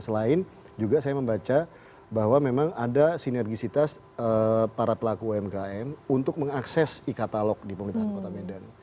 selain juga saya membaca bahwa memang ada sinergisitas para pelaku umkm untuk mengakses e katalog di pemerintahan kota medan